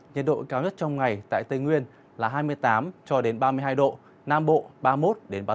nhiệt độ cao nhất trong ngày tại tây nguyên là hai mươi tám ba mươi hai độ nam bộ ba mươi một ba mươi bốn độ